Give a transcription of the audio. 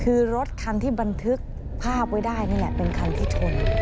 คือรถคันที่บันทึกภาพไว้ได้นี่แหละเป็นคันที่ชน